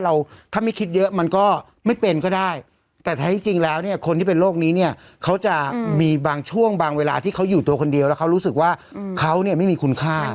ถ้าไม่คิดเยอะมันก็ไม่เป็นก็ได้แต่แท้ที่จริงแล้วเนี่ยคนที่เป็นโรคนี้เนี่ยเขาจะมีบางช่วงบางเวลาที่เขาอยู่ตัวคนเดียวแล้วเขารู้สึกว่าเขาเนี่ยไม่มีคุณค่า